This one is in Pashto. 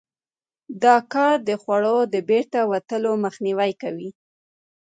دا کار د خوړو د بیرته وتلو مخنیوی کوي.